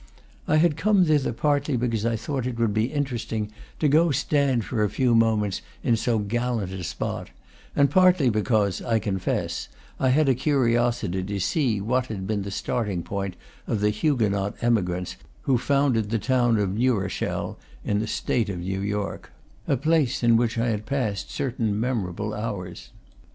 I had come thither partly because I thought it would be interesting to stand for a few moments in so gallant a spot, and partly because, I confess, I had a curiosity to see what had been the starting point of the Huguenot emigrants who founded the town of New Rochelle in the State of New York, a place in which I had passed certain memorable hours.